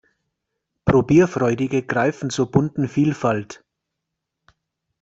Probierfreudige greifen zur bunten Vielfalt.